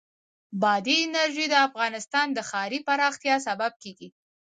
بادي انرژي د افغانستان د ښاري پراختیا سبب کېږي.